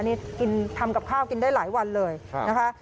นี่กินทำกับข้าวกินได้หลายวันเลยนะคะ